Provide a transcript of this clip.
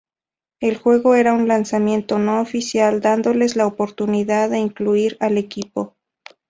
El juego era un lanzamiento no oficial, dándoles la oportunidad de incluir al equipo.